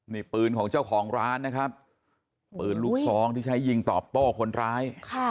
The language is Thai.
นี่ปืนของเจ้าของร้านนะครับปืนลูกซองที่ใช้ยิงตอบโต้คนร้าย